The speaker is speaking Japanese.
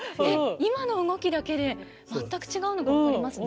今の動きだけで全く違うのが分かりますね。